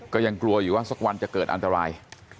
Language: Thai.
ก็ยังกลัวอยู่ว่าสักวันจะเกิดอันตราย